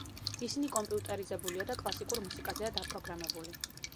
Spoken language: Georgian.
ისინი კომპიუტერიზებულია და კლასიკურ მუსიკაზეა დაპროგრამებული.